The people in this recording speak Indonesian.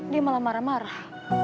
dia malah marah marah